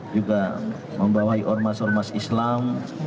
juga membawahi ormas ormas islam